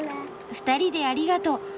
２人でありがとう！